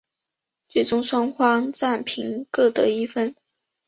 最终双方战平各得一分。